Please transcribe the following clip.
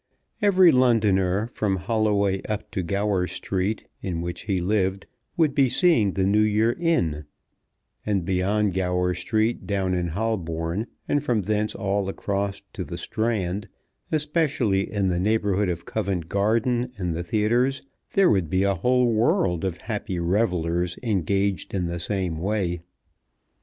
Every Londoner, from Holloway up to Gower Street, in which he lived, would be seeing the New Year in, and beyond Gower Street down in Holborn, and from thence all across to the Strand, especially in the neighbourhood of Covent Garden and the theatres, there would be a whole world of happy revellers engaged in the same way.